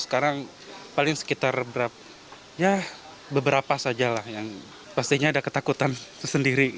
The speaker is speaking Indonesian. sekarang paling sekitar berapa ya beberapa saja lah yang pastinya ada ketakutan sendiri